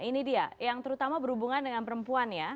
ini dia yang terutama berhubungan dengan perempuan ya